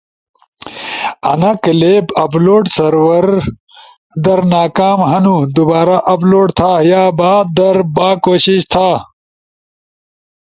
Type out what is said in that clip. انا کلپ اپلوڈ سرور در ناکام ہون، دوبارا اپلوڈ تھا یا بعد در با کوشش تھا۔